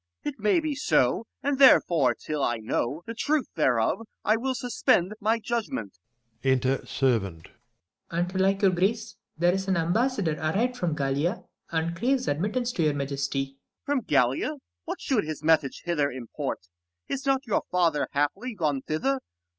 It may be so, and therefore till I know The truth thereof, I will suspend my judgment. Enter Servant. Serv. And't like your grace, there is an ambassador Arrived from Gallia, and craves admittance to your majesty. Com. From Gallia ? what should his message 1 5 Hither import ? is not your father haply Gone thither